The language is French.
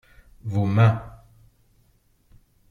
vos mains.